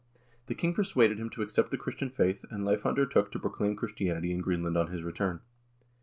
The king persuaded him to accept the Chris tian faith, and Leiv undertook to proclaim Christianity in Greenland on his return.